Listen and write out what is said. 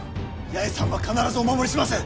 八重さんは必ずお守りします。